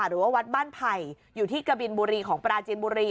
หรือว่าวัดบ้านไผ่อยู่ที่กะบินบุรีของปราจีนบุรี